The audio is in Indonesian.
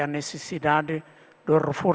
saya ingin mengucapkan decetan